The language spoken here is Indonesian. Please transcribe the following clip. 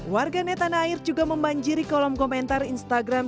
warga netanair juga membanjiri kolom komentar instagram